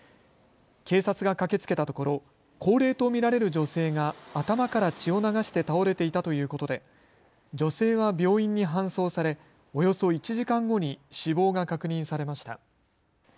警察が駆けつけたところ高齢と見られる女性が頭から血を流して倒れていたということで女性は病院に搬送されおよそ１時間後に死亡が確認されました。